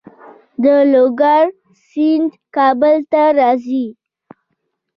د لوګر سیند کابل ته راځي